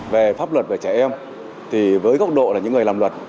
về pháp luật về trẻ em thì với góc độ là những người làm luật